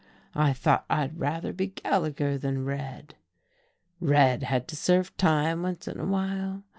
I thought I'd rather be Gallagher than Red Red had to serve time once in a while.